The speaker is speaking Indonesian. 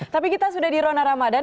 tapi kita sudah di rona ramadan